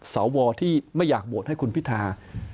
เสาวอที่ไม่อยากโบสถ์ให้คุณพิทา